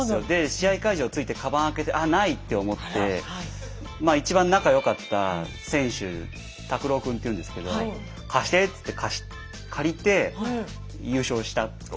試合会場着いてかばん開けて「ああない」って思ってまあ一番仲良かった選手タクロウ君っていうんですけど「貸して」っつって借りて優勝したっていう。